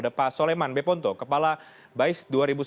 ada pak soleman beponto kepala bais dua ribu sebelas dua ribu tiga belas